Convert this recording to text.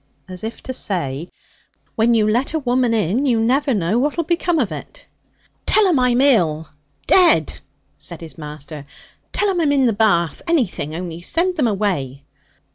as if to say, 'When you let a woman in you never know what'll become of it.' 'Tell 'em I'm ill dead!' said his master. 'Tell 'em I'm in the bath anything, only send them away!'